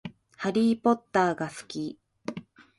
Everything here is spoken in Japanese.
ハリーポッターが好き